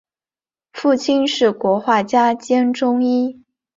父亲是国画家兼中医。